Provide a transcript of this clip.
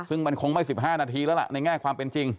ซึ่งมันคงไม่๑๕นาทีแล้วล่ะในแง่ความเป็นจริง